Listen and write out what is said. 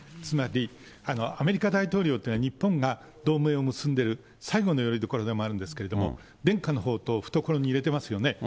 つまりアメリカ大統領というのは、日本が同盟を結んでる最後のよりどころでもあるんですけど、伝家の宝刀を懐に入れてますよね。